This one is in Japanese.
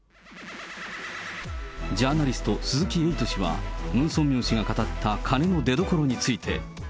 ジャーナリスト、鈴木エイト氏は、ムン・ソンミョン氏が語った金の出どころについて。